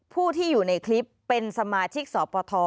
ผู้ที่อยู่ในคลิปเป็นสมาชิกสปท